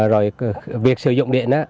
rồi việc sử dụng điện